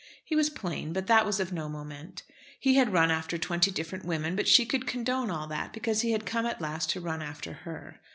He was plain, but that was of no moment. He had run after twenty different women, but she could condone all that, because he had come at last to run after her.